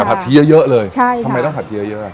แต่ผัดทีเยอะเยอะเลยใช่ค่ะทำไมต้องผัดทีเยอะเยอะอ่ะ